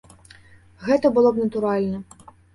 Гэта было б натуральна.